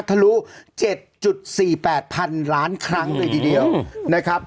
ทะลุ๗๔๘๐๐๐ล้านครั้งเลยทีเดียวนะครับ